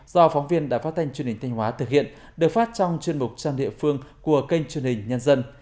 do phóng viên đã phát thanh chương trình thanh hóa thực hiện được phát trong chuyên mục trang địa phương của kênh chương trình nhân dân